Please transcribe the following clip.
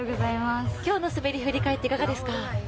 今日の滑り、振り返っていかがですか。